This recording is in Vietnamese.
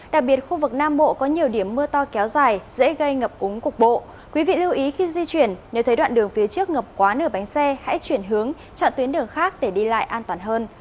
đặc biệt khu vực nam bộ có nhiều điểm mưa to kéo dài dễ gây ngập úng cục bộ quý vị lưu ý khi di chuyển nếu thấy đoạn đường phía trước ngập quá nửa bánh xe hãy chuyển hướng chọn tuyến đường khác để đi lại an toàn hơn